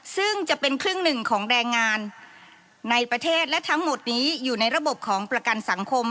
ซึ่งจะเป็นครึ่งหนึ่งของแรงงานในประเทศและทั้งหมดนี้อยู่ในระบบของประกันสังคม